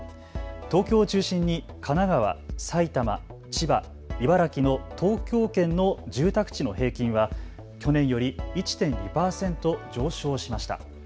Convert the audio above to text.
東京を中心に神奈川、埼玉、千葉、茨城の東京圏の住宅地の平均は去年より１．２％上昇しました。